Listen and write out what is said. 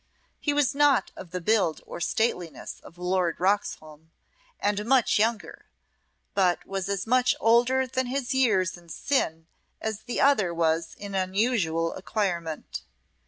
He was not of the build or stateliness of Lord Roxholm, and much younger, but was as much older than his years in sin as the other was in unusual acquirement.